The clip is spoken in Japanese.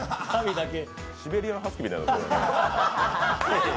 シベリアンハスキーみたいになってる。